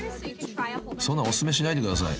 ［そんなのお薦めしないでください］